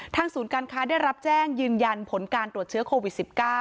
ศูนย์การค้าได้รับแจ้งยืนยันผลการตรวจเชื้อโควิด๑๙